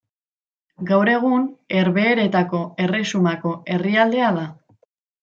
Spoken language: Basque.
Gaur egun, Herbehereetako Erresumako herrialdea da.